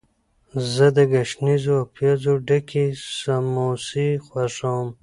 زه د ګشنیزو او پیازو ډکې سموسې خوښوم.